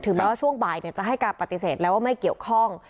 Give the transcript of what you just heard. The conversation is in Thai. แม้ว่าช่วงบ่ายจะให้การปฏิเสธแล้วว่าไม่เกี่ยวข้อง